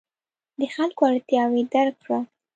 د خلکو اړتیاوې درک کړه.